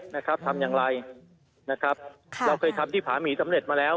นะครับทำอย่างไรนะครับค่ะเราเคยทำที่ผาหมีสำเร็จมาแล้ว